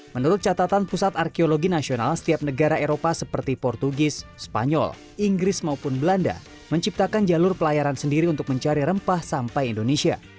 menurut catatan pusat arkeologi nasional setiap negara eropa seperti portugis spanyol inggris maupun belanda menciptakan jalur pelayaran sendiri untuk mencari rempah sampai indonesia